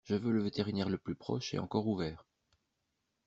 Je veux le vétérinaire le plus proche et encore ouvert.